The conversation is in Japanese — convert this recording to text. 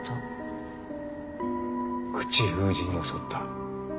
口封じに襲った？